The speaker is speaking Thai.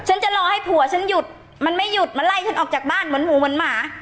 จะรอให้ผัวฉันหยุดมันไม่หยุดมันไล่ฉันออกจากบ้านเหมือนหมูเหมือนหมา